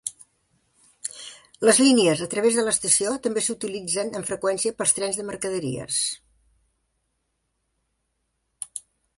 Les línies a través de l'estació també s'utilitzen amb freqüència pels trens de mercaderies.